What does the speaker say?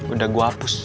udah gue hapus